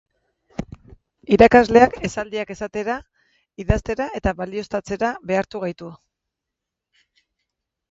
Irakasleak esaldiak esatera, idaztera eta balioztatzera behartu gaitu.